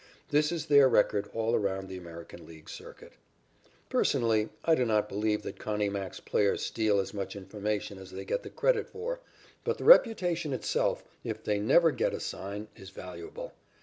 This is their record all around the American League circuit. Personally I do not believe that Connie Mack's players steal as much information as they get the credit for, but the reputation itself, if they never get a sign, is valuable.